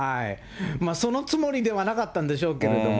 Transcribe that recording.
そのつもりではなかったんでしょうけれども。